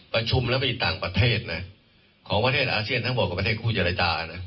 ประชุมแล้วมีต่างประเทศนะของประเทศอาเซียนทั้งหมดของประเทศคู่เจรจานะ